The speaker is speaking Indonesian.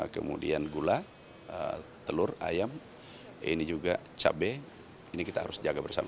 kemudian gula telur ayam ini juga cabai ini kita harus jaga bersama